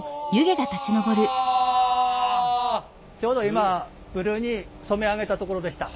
ちょうど今ブルーに染め上げたところでした。